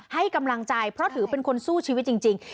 ให้กำลังใจเพราะถือเป็นคนสู้ชีวิตจริง